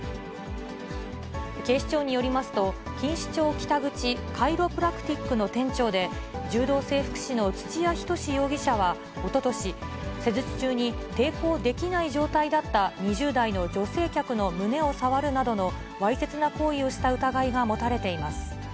警視庁によりますと、錦糸町北口カイロプラクティックの店長で、柔道整復師の土谷仁志容疑者はおととし、施術中に抵抗できない状態だった２０代の女性客の胸を触るなどのわいせつな行為をした疑いが持たれています。